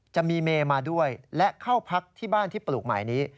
จะมีเมมาด้วยและเข้าพักที่บ้านที่ปลูกใหม่นี้